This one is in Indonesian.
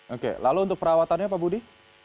oke lalu untuk perawatannya pak budi